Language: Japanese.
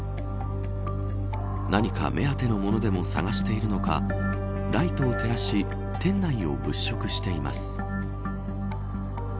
何か目当てのものでも探しているのかライトを照らし店内を物色しています。